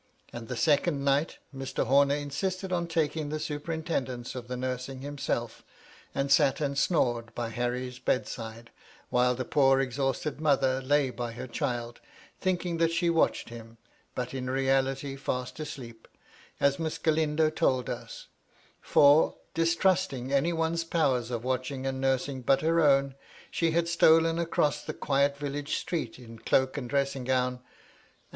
And, the second night, Mr. Homer insisted on taking the superintendence of the nursing himself, and sat and snored by Harry's bedside, while the poor, exhausted mother lay by fier child, — thinking that she watched him, but in reality fast asleep, as Miss Galindo told us ; for, distrusting any one's powers of watching and nursing but her owq, sl\e had stolen across the quiet village street in cloak and dressing gown, and 252 MY LADY LUDLOW.